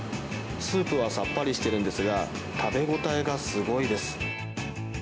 スープはさっぱりしてるんですが、食べ応えがすごいです。